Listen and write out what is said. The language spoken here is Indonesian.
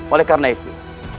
oleh karena itu